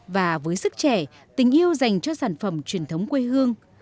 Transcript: và với sức trẻ tình yêu dành cho sản phẩm truyền thống quê hương